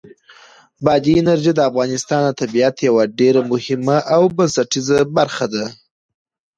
بادي انرژي د افغانستان د طبیعت یوه ډېره مهمه او بنسټیزه برخه ده.